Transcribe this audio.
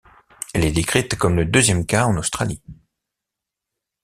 Elle est décrite comme le deuxième cas en Australie.